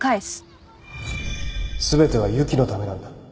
全てはＹＵＫＩのためなんだ。